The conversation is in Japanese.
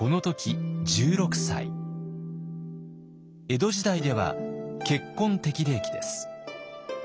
江戸時代では結婚適齢期です。